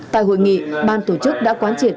tại hội nghị ban tổ chức đã quán triển